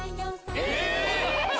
え⁉